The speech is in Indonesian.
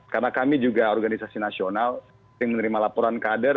karena kami juga organisasi nasional yang menerima laporan kader